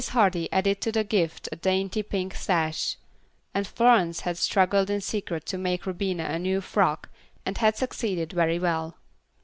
Hardy added to the gift a dainty pink sash, and Florence had struggled in secret to make Rubina a new frock, and had succeeded very well.